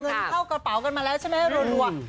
เข้ากระเป๋ากันมาแล้วใช่ไหมรัว